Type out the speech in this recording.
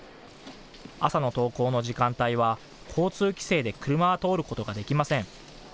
朝の登校の時間帯は交通規制で車は通ることができません。